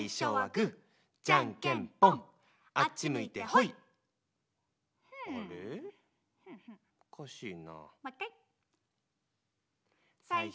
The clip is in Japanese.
あっち向いてほい！